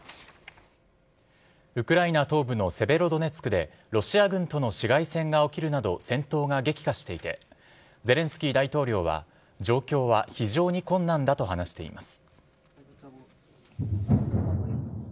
ウクライナ東部のセベロドネツクで、ロシア軍との市街戦が起きるなど戦闘が激化していて、ゼレンスキー大統領は、状況は非常に困難だと話しています。